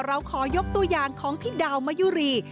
เราขอยกตัวอย่างของพี่ดาวมะยุรี